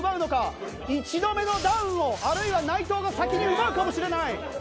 一度目のダウンをあるいは内藤が先に奪うかもしれない。